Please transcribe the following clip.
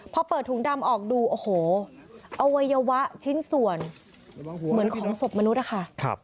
พอเปิดถุงดำออกดูโอ้โหอวัยวะชิ้นส่วนเหมือนของศพมนุษย์นะคะ